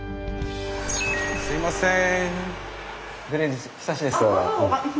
すいません。